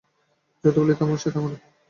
যত বলি থামো সে থামে না।